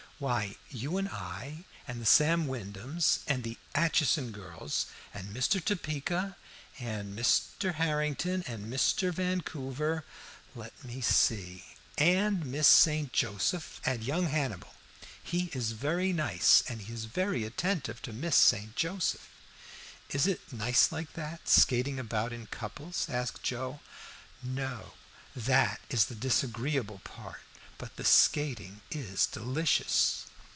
"Why, you and I, and the Sam Wyndhams, and the Aitchison girls, and Mr. Topeka, and Mr. Harrington, and Mr. Vancouver let me see and Miss St. Joseph, and young Hannibal. He is very nice, and is very attentive to Miss St. Joseph." "Is it nice, like that, skating about in couples?" asked Joe. "No; that is the disagreeable part; but the skating is delicious."